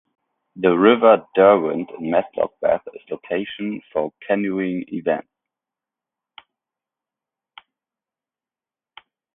The River Derwent in Matlock Bath is a location for Canoeing events.